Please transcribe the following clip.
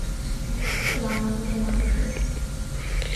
库朗人口变化图示